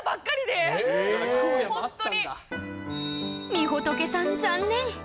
みほとけさん残念！